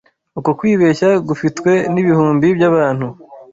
Uko kwibeshya gufitwe n’ibihumbi by’abantu